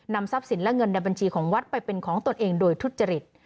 ทรัพย์สินและเงินในบัญชีของวัดไปเป็นของตนเองโดยทุจริต